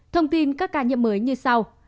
thông tin các ca nhiễm mới như sau